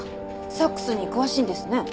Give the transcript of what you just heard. サックスに詳しいんですね。